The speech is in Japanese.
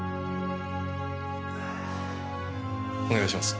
お願いします。